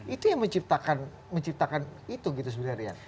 itu yang menciptakan itu gitu sebenarnya